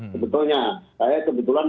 sebetulnya saya kebetulan